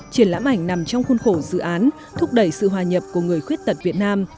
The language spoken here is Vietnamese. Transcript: triển lãm ảnh nằm trong khuôn khổ dự án thúc đẩy sự hòa nhập của người khuyết tật việt nam